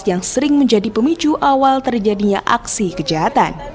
yang sering menjadi pemicu awal terjadinya aksi kejahatan